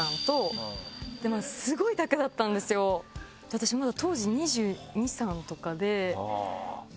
私まだ。